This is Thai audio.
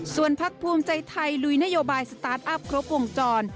ส่วนพักภูมิใจไทยลุยนโยบายสตาร์ทอัพครบวงจร